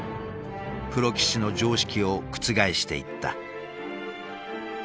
プロ棋士の常識を覆していった。